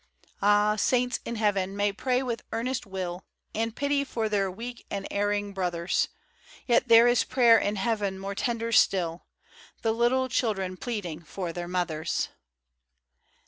Ah, Saints in Heaven may pray with earnest will And pity for their weak and erring brothers : Yet, there is prayer in Heaven more tender still, — The little Children pleading for their Mothers.